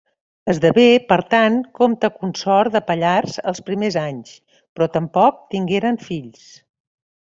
Esdevé, per tant, comte consort de Pallars els primers anys, però tampoc tingueren fill.